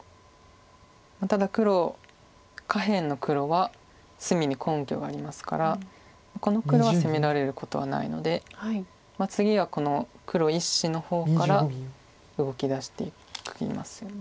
ただ黒下辺の黒は隅に根拠がありますからこの黒は攻められることはないので次はこの黒１子の方から動きだしていきますよね。